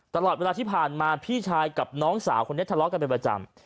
ตลอดเวลาที่ผ่านมาพี่ชายกับน้องสาวคนนี้ทะเลาะกันเป็นประจำ